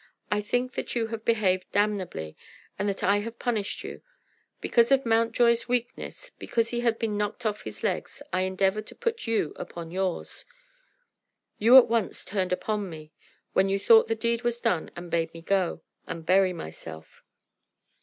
I think that you have behaved damnably, and that I have punished you. Because of Mountjoy's weakness, because he had been knocked off his legs, I endeavored to put you upon yours. You at once turned upon me, when you thought the deed was done, and bade me go and bury myself.